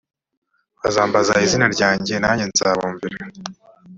bazambaza izina ryanjye nanjye nzabumvira